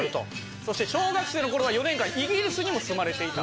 そして小学生の頃は４年間イギリスにも住まれていた。